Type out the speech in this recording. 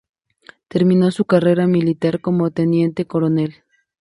Terminó su carrera militar como teniente coronel.